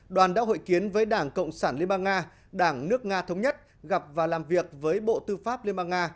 đoàn đã hội kiến với đảng cộng sản liên bang nga đảng nước nga thống nhất gặp và làm việc với bộ tư pháp liên bang nga